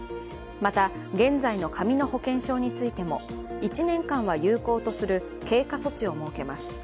また、現在の紙の保険証についても１年間は有効とする経過措置を設けます。